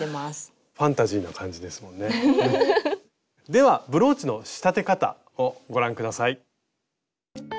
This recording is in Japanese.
ではブローチの仕立て方をご覧下さい。